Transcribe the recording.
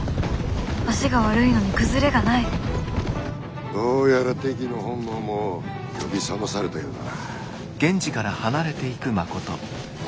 足が悪いのに崩れがないどうやらテキの本能も呼び覚まされたようだな。